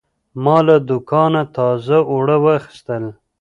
ما له دوکانه تازه اوړه واخیستل.